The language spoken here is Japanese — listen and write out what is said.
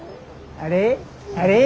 あれ？